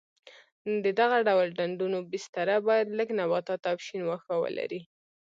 د دغه ډول ډنډونو بستره باید لږ نباتات او شین واښه ولري.